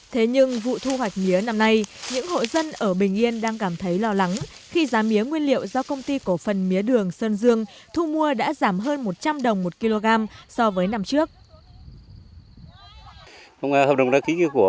thế nhưng vụ thu hoạch mía năm nay những hộ dân ở bình yên đang cảm thấy lo lắng khi giá mía nguyên liệu do công ty cổ phần mía đường sơn dương thu mua đã giảm hơn một trăm linh đồng một kg so với năm trước